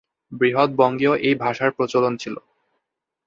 বৃহৎ বঙ্গেও এ ভাষার প্রচলন ছিল।